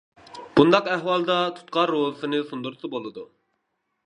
بۇنداق ئەھۋالدا تۇتقان روزىسىنى سۇندۇرسا بولىدۇ.